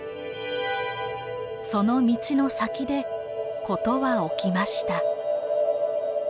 その道の先で事は起きました。